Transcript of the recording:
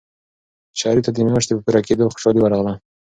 شریف ته د میاشتې په پوره کېدو خوشحالي ورغله.